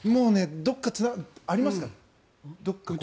どこありますか？